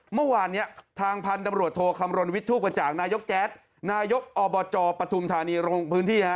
เมื่อวานเนี้ยทางพันธ์ตำรวจโทรคำรนวิทธุประจ่างนายกแจ